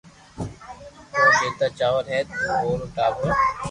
ڪو جيتا چاور ھي تو او ٽاٻرو